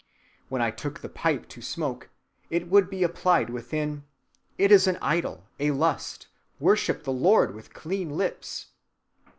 When I took the pipe to smoke, it would be applied within, 'It is an idol, a lust; worship the Lord with clean lips.